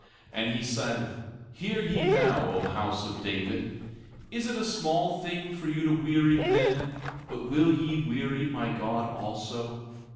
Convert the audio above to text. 17:13 And he said: Hear ye now, O house of David; is it a small thing for you to weary men, but will ye weary my God also?